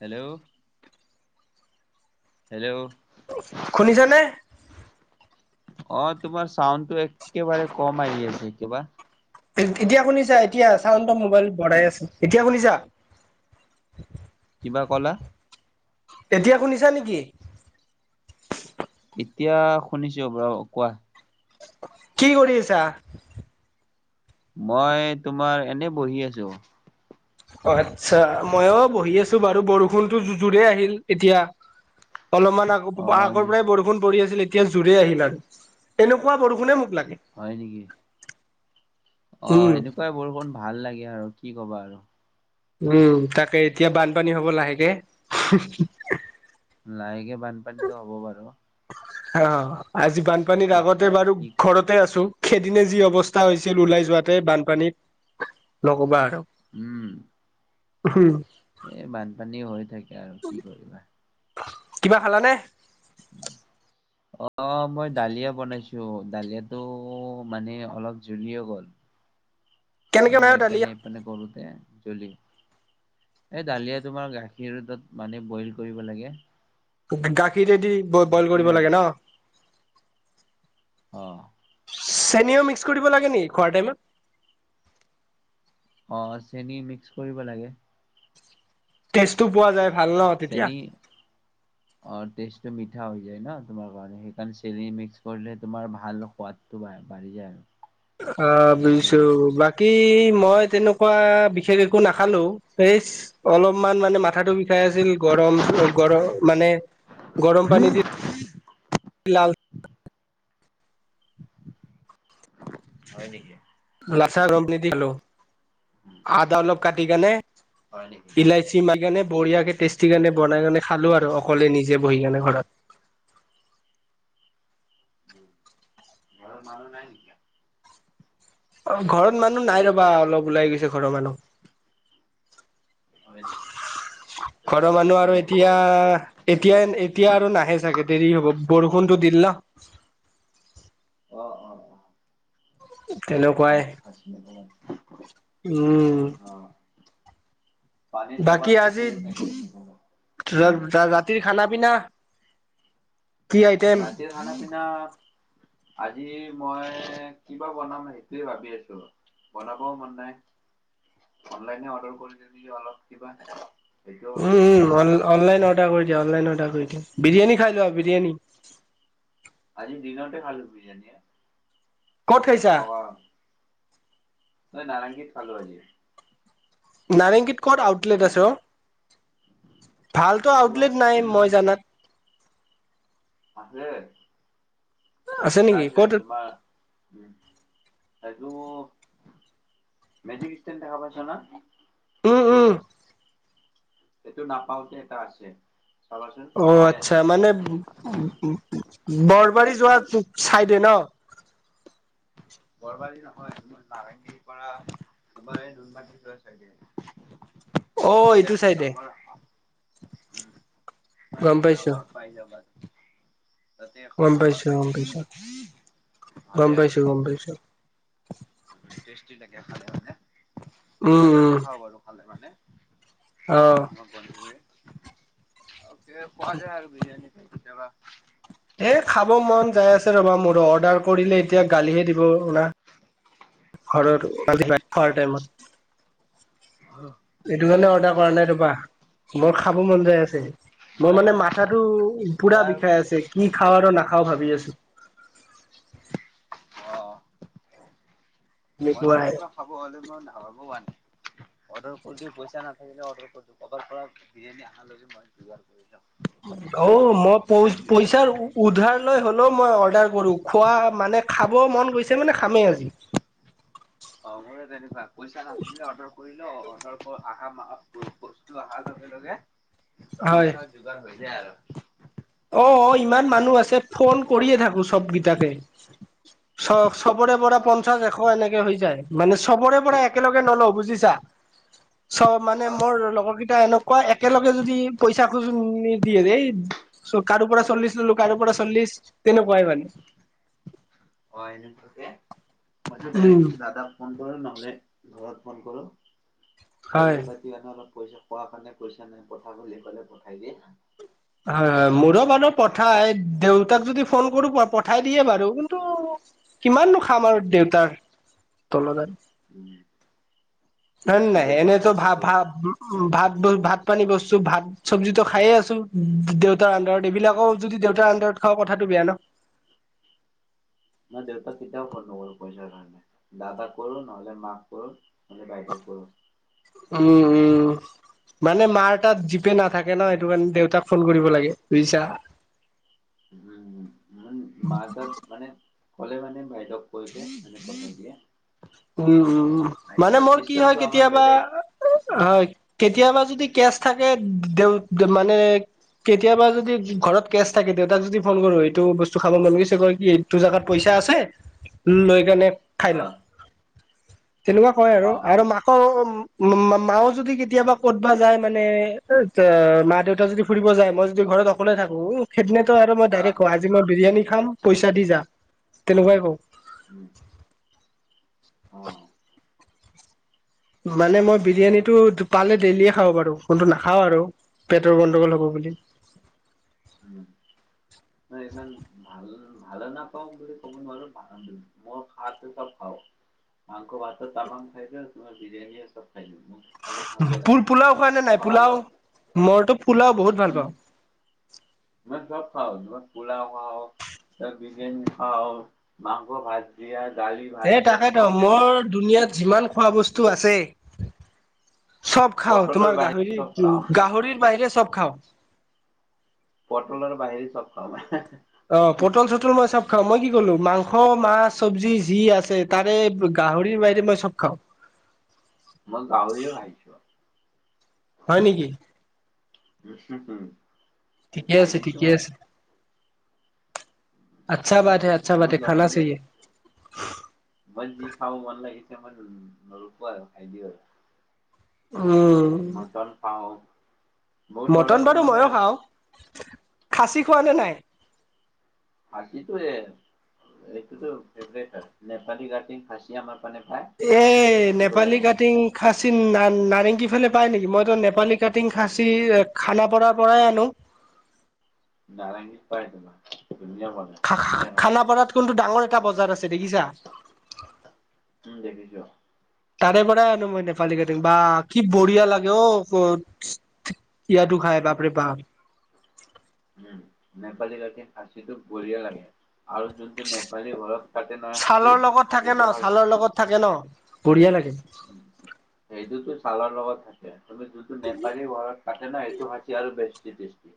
Hello. Hello! শুনিছা নে? অঁ, তোমাৰ চাউণ্ডটো একেবাৰে কম আহি আছে কিবা। এত্ এতিয়া শুনিছা? এতিয়া চাউণ্ডটো মোবাইলত বঢ়াই আছে, এতিয়া শুনিছা? কিবা ক'লা? এতিয়া শুনিছা নেকি? এতিয়া শুনিছো বাৰু কোৱা? কি কৰি আছা? মই তোমাৰ, এনেই বহি আছোঁ। আচ্ছা মইও বহি আছো বাৰু বৰষুণতো জু জোৰে আহিল এতিয়া অলপমান আগ অ আগৰ পৰাই বৰষুণ পৰি আছিল এতিয়া জোৰেই আহিল আৰু এনেকুৱা বৰষুণে মোক লাগে। হয় নেকি অ উম, এনেকুৱাই বৰষুণ ভাল লাগে আৰু কি কবা আৰু উম, তাকে এতিয়া বানপানী হ'ব লাহেকে। লাহেকে বানপানীটো হ'ব বাৰু অ আজি বানপানীৰ এই কি আগতে বাৰু কি ঘৰতে আছো সেইদিনে যি অৱস্থা হৈছিল ওলাই যোৱাতে বানপানীত নকবা আৰু উম এ বানপানী হৈ থাকে আৰু কি কৰিবা কিবা খালানে? [unintelligible] অ মই ডালিয়া বনাইছো ডালিয়াটো মানে অলপ জুলি হৈ গ'ল কেনেকে অলপ বনাই অ' দালি? এপিনে, হেপিনে কৰোতে জ্বলি এই দলিয়া তোমাৰ গাখীৰ তত মানে বইল কৰিব লাগে গা গাখীৰেদি ব বইল সেইটোৱে কৰিব আৰু লাগে ন অ চেনও মিক্স কৰিব লাগে নেকি খোৱাৰ টাইমত অ, চেনি মিক্স কৰিব লাগে। টেষ্টটো পোৱা যায় ভাল ন তেতিয়া চেনি অ, টেষ্টটো মিঠা হৈ যায় ন, তোমাৰ কাৰণে, সেইকাৰণে চেনি মিক্স কৰিলে তোমাৰ ভাল সোৱাদ। টো বাঢ়ী যায় আৰু আ সেইটোৱে। বুজিছোঁ বা বাকী মই তেনেকুৱা বিশেষ একো নাখালো ভেজ অলপমান মানে মাথাটো খাই আছিল গৰম গৰ মানে গৰম পানী দি লাল হয় নেকি লাছা দিলো আদা অলপ কাটি কেনে হয় নেকি? ইলাইচি মাৰনে বঢ়িয়াকে টেষ্টি উম, কাৰনে উম। বনাই কেনে খালো আৰু অকলে নিজে বহি কেনে ঘৰত উ, ঘৰৰ মানুহ নাই নিকি। অ ঘৰত মানুহ নাই ৰবা অলপ ওলাই গৈছে ঘৰৰ হয় মানুহ নেকি? তুমি ঘৰৰ ক'তো মানুহ যোৱা আৰু নাই? এতিয়া এতিয়া এতিয়া আৰু নাহে চাগে দেৰি হ'ব বৰষুণটো দিল ন অ', অ', অ', তেনেকুৱাই পানীত আছিলে ন উম অ পানীত ক'ৰবাত বাকী আজি ফাঁচিলে চাগে ৰাতিৰ খানা পিনা কি আইটেম ৰাতিৰ খানা পিনা আজি মই কিবা বনাম সেইটোৱে ভাবি আছো। বনাবও মন নাই, অনলাইনে অৰ্ডাৰ কৰি দিওঁ নেকি অলপ কিবা। সেইটোও ভাবি উম, আছো। উম, অনলাইন অৰ্ডাৰ কৰি দিয়া, অনলাইন অৰ্ডাৰ কৰি দিয়া, বিৰিয়ানী খাই লোৱা, বিৰিয়ানী। আজি দিনতে খালোঁ বিৰিয়ানী ক'ত এশ খাইছা টকা ঐ নাৰঙংগীত খালো আজি নাৰেংগীত ক'ত আউটলেট ইমান আছে অ ভালতো এই তোমাৰ আউটলেট নাই মই জানাত আছে এটা নেকি আছে ক'ত তোমাৰ এইটো মেজিক ষ্টেণ্ড দেখা পাইছা না উম উম সটো নাপাওঁতে এটা আছে [inaudible] চাবাচোন অ' ধুনীয়া আচ্ছা আছে মানে ব- বৰবাৰী যোৱা চাইডে ন? বৰবাৰী নহয় নাৰেংগীৰ পৰা তোমাৰ এই নুনমাটি যোৱা চাইডে। [inaudible] ততি এইটো এখন চাইডে ডাঙৰ [inaudible] গম এখন পাইছো ডাঙৰ পাই যাবা। তাতে এখন গম ডাঙৰ পাইছো পাই গম পাইছো যাম [inaudible] ভালে আছে বুজিছো। ে লে খালে মানে উম মই তাতে খাওঁ বাৰু খালে মানে [inaudible] অঁ। মই [unintelligible] খোৱা যায় আৰু বিৰিয়ানী কে কেতিয়াবা এ' খাব মন যাই আছে ৰ'বা মোৰ অৰ্ডাৰ কৰিলে এতিয়া গালিহে দিব। ঘৰৰ [unintelligible] খোৱাৰ টাইমত অঁ। এইটো কাৰণে অৰ্ডাৰ কৰা নাই, মোৰ খাব মন যায় আছে। মই মানে মাথাতো মই পুৰা আৰু বিষাই আছে, কি খাওঁ আৰু নাখাও ভাবি আছো। অ মই চো এনেকুৱাই কিবা খাব হ'লে মই নাভাবো হোৱা নাই [inaudible] অৰ্ডাৰ কৰি দি পইচা নাথাকিলে অৰ্ডাৰ কৰি দি কবাৰ পৰা বিৰিয়ানী অহালৈ মই দুাৰ কৰিলওঁ। অ মই পচ পইচা [inaudible] উদ্ধাৰলৈ হ'লেও মই অৰ্ডাৰ কৰোঁ খোৱা মানে খাব মন গৈছে মানে খামেই আজি। অ' ময়ো তেনেকুৱা পইচা নাথাকিলেও অৰ্ডাৰ কৰি লওঁ অৰ্ডাৰ আাহা মাহত বস্তু অহাৰ লগে লগে হয় পইচা যোগাৰ হৈ যায় আৰু। অ' অ' ইমান মানুহ আছে ফোন কৰিয়ে থাকো চবকেইটাকে। চ - চবৰে পৰা অ', পঞ্চাচ এশ এনেকে হৈ যায়, মানে চবৰে পৰা একেলগে নলওঁ বুজিছা? চব মানে অ', মোৰ লগৰ কেইটা এনেকুৱা, একেলগে যদি পইচা খোজো নিদিয়ে দেই চ, কাৰো পৰা চল্লিছ ললো, কাৰো পৰা চল্লিছ তেনেকুৱাই মানে। অ এনে থতে মছ উম ডাইৰেক দাদা [inaudible] [inaudible] ফোন কৰোঁ নহ'লে ঘৰত ফোন কৰোঁ হয় চেলেৰি পা সেই কাৰণে অলপ পইচা খোৱা কাৰণে পইচা নাই পথা বুলি কলে পঠাই দিয়ে। হয়, মোৰো বাৰু পঠাই দেউতাক যদি ফোন কৰো পঠাই দিয়ে বাৰু কিন্তু কিমাননো খাম আৰু দেউতাৰ তলত আৰু। উম। ন মই নাই দেউতাক এনেই তো ফোন ভ ভ নকৰো [inaudible] উম ভাত ব ভাত পানী বস্তু ভাত চবজিটো খাইে আছো দেউতাৰ আন্ন্দাৰত উম, এইবিলাকো যদি দেউতাৰ আডৰত খাওঁ কথাটো বেয়া ন। মই দেউতাক কেতিয়াও ক'ল নকৰো পইচা কাৰণে। দাদা কৰোঁ নহ'লে মাক কৰোঁ নহ'লে বাইদেউ কৰোঁ। উম উম। মানে মাৰ তাত জিপে নাথাকে ন, সেইটো কাৰণে দেউতাক ফোন কৰিব লাগে বুজিছা? উম উম, ম- মাঁ তাত মানে কলে মানে বাইদেউক কৈ দিয়ে এনে পঠাই দিয়ে। উম উম, মানে এনেকুৱা মোৰ কি হয় চিষ্টেমটো আমাৰ কেতিয়াবা বেলেগ হয় কেতিয়াবা যদি কেচ থাকে দে মানে [inaudible] কেতিয়াবা যদি ঘৰত কেছ থাকে, দেউতাক যদি ফোন কৰো এইটো বস্তু খাব মন গৈছে কয় কি তোৰ জেগাত পইচা আছে লৈ কেনে খাই অ ল তেনেকুৱা কয় আৰু অ', আৰু অ', মাক মা-মা-মাও যদি কেতিয়াবা ক'তবা যায় মানে মা দেউতা যদি ফুৰিব যায় মই যদি ঘৰত অকলে থাকো সেইদিনাতো আৰু মই অ', ডাইৰেক্ট [unintelligible] বিৰিয়ানী খাম পইচা দি যা তেনেকুৱাই কওঁ [inaudible] অ মানে মই বিৰিয়ানীটো পালে ডেইলিয়ে খাব পাৰো কিন্তু নাখাওঁ আৰু। পেটৰ গণ্ডগোল হ'ব বুলি। উম। ইমান ভাল ভালে নাপাওঁ বুলি ক'ব নোৱাৰো ভা [unintelligible] মই ভালটো চব পাওঁ। [unintelligible] খাব লাগে। পোল-পোলাও খাই নে নাই খাৱাৰ পোলাও লগত মইতো পোলাও বহুত ভাল উম, পাওঁ। মই চব খাওঁ যিমান পোলাও খাও এই বিৰিয়ানী খাও মাংস ভাজি দালি, এ ভাজি তাকেতো চব খাওঁ। মোৰ দুুনীয়াত যিমান খোৱা বস্তু আছে চব খাও পটলৰ তোমাৰ বাহিৰে গাহৰি চব খাওঁ গাহৰিৰ বাহিৰে চব খাওঁ। পটলৰ বাহিৰে চব খাওঁ মই। অ পটল চটল মই চব খাওঁ মই কি ক'লো মাংস, মাছ, চবজি যি আছে তাৰে গাহৰিৰ বাহিৰে মই চব খাওঁ। মই গাহৰিও খাইছোঁ। হয় নিকি? [unintelligible] ঠিকে খাই আছে দিছো ঠিকে মই আছে। আচ্ছা বাত হে আচ্ছা মোৰ বাতে হে খানা লগবোৰে চাইয়ে। [unintelligible] [inaudible] মটন পাওঁ। মটন বাৰু মইয়ো খাওঁ খাচী খোৱা নে নাই? এইতোটো ফেভৰেট আৰু নেপালী কাটিং খাছী [unintelligible] এই নেপালী কাটিং খাচী না-নাৰেংগী ফালে পায় নিকি মইতো নেপালী কাটিং খাচী খানা পাৰাৰ পৰাই আনো। নাৰেংগীত পাই ধুনীয়া ধুনীয়া কাটে খানাপাৰাত কিন্তু ডাঙৰ এটা বজাৰ আছে দেখিছা? উম দেখিছো। তাৰে পৰা আনো মই নেপালী কাটিং বা কি বঢ়িয়া লাগে অ [unintelligible] খাই বাপৰে বাপ উম নেপালী কাটিং খাছীটো বঢ়িয়া লাগে আৰু যদি নেপালী ঘৰত কাটে নহয় খাছি ছালৰ লগত থাকে সেইটো ন ছালৰ লগত থাকে ন বঢ়িয়া লাগে। সেইটোতো ছালৰ লগত থাকে তুমি যোনটো নেপালি ঘৰত থাকে না এইটো খাছি আৰু বেছি টেষ্টি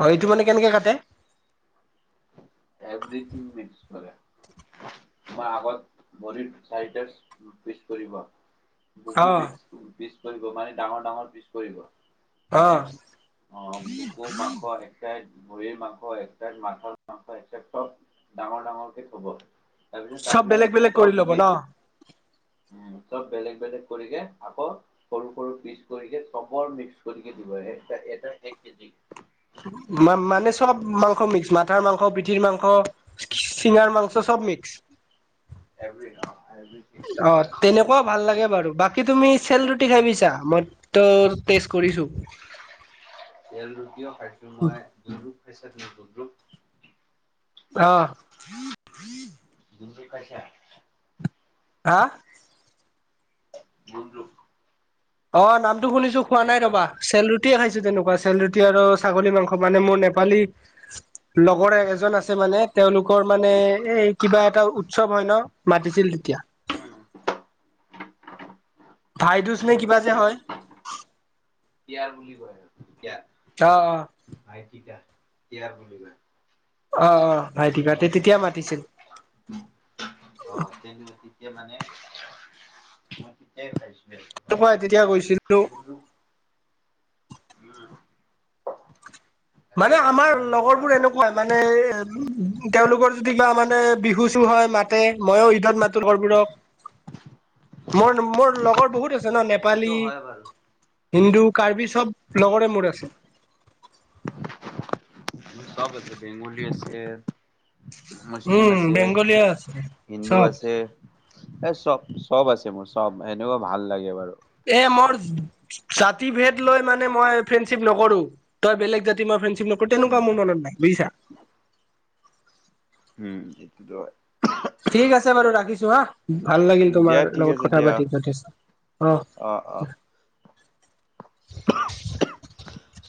অ এইটো মানে কেনেকে কাটে? এভ্ৰিথিং মিক্স কৰে। মই আগত ভৰিৰ চাৰিটা পিছ কৰিব অ বুকু পিচ পিচ কৰিব মানে ডাঙৰ ডাঙৰ পিচ কৰিব অ হয়নে। অ', মকুৰ মাংস এক চাইত ভৰিৰ মাংস এক চাইত মা সব ডাঙৰ ডাঙৰক থব তাৰপিছত চব বেলেগ তাৰপিছত বেলেগ কৰি চব ল'ব ন মিক্স উ চব বেলেগ বেলেগ কৰিকে আকৌ সৰু সৰু পিচ কৰিকে চবৰ মিক্স কৰিকে দিব এটা এক কেজি মানে চব মাংস মিক্স মাথাৰ মাংস পিঠিৰ মাংস চিঙাৰ মাংস চব মিক্স। এভৰি অ', এভৰি। অ', তেনেকুৱাও ভাল লাগে বাৰু বাকী তুমি চেল ৰুটি খাই পাইছা মই ত ট্ৰেষ্ট কৰিছোঁ। তেল ৰুটিও খাইছোঁ মই [unintelligible] অহ। [unintelligible] পাইছা আ। গূনৰুক। অ', নামটো শুনিছোঁ খোৱা নাই নেপালী ৰবা চেল ৰুটিয়ে খাইছোঁ তেনেকুৱা চেল ৰুটি এতিয়া আৰু ছাগলী মাংস মানে মোৰ নেপালী লগৰ এজন আছে মানে তেওঁলোকৰ মানে এই কিবা এটা উৎসৱ হয় ন মাতিছিল তেতিয়া। [unintelligible] ভাইদোজ নে কিবা যে হয়। টিয়াৰ বুলি কয় তিয়া। অ', অ'। ভাই তিকা কিয়াৰ বুলি কয়। অ', অ', মানে ভাইটিকাতে তেতিয়া মাতিছিল। অ', তেনে তেতিয়া মানে মই তেতিয়াই খাইছোঁ। তো মই তেতিয়া গৈছিলোঁ [inaudible] মানে ঘৰত আমাৰ যাই থাকো ন লগৰবোৰ এনেকুৱা মই মানে তেওঁলোকৰ যদি কিবা মানে বিহু চু হয় মাতে মইয়ো ঈদত মাতো ঘৰবোৰক মোৰ মোৰ লগৰ বহুত আছে ন সেইটোতো নেপালী হয় বাৰু হিন্দু কাৰ্বি চব লগৰে মোৰ আছে। ম চব আছে বেংগোলী আছে। মুছলিম উম আছে বেংগলীয়া আছে হিন্দু চব আছে। এ চব চব আছে মোৰ চব এনেও ভাল লাগে বাৰু। এ মোৰ জাতি ভেদ লৈ মানে মই ফ্ৰেণ্ডশ্বিপ নকৰোঁ। তই জাতি মই ফ্ৰেণ্ডশ্বিপ নকৰোঁ উম তেনেকুৱা মোৰ মনত নাই বুজিছা। উম সেইটো হয়। ঠিক আছে বাৰু ৰাখিছোঁ হা ভাল লাগিল দিয়া তোমাৰ ঠিক লগত আছে কথা দিয়া পাতি যথেষ্ট অ'। অ', অ'। [unintelligible]